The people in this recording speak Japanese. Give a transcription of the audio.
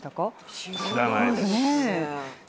知らないですよね？